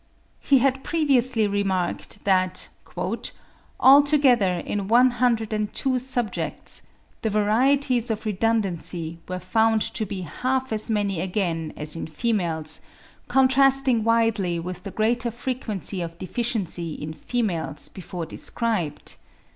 He had previously remarked that "altogether in 102 subjects, the varieties of redundancy were found to be half as many again as in females, contrasting widely with the greater frequency of deficiency in females before described."